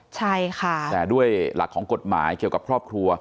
ใช่ค่ะแต่ด้วยหลักของกฎหมายเกี่ยวกับครอบครัว